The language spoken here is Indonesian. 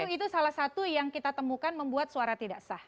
itu salah satu yang kita temukan membuat suara tidak sah